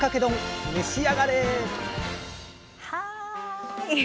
はい。